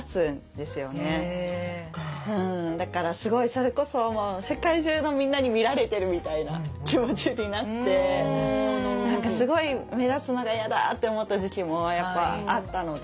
だからすごいそれこそもう世界中のみんなに見られてるみたいな気持ちになってすごい目立つのが嫌だって思った時期もやっぱあったので。